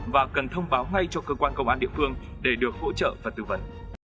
và cần thông báo ngay cho cơ quan công an địa phương để được hỗ trợ và tư vấn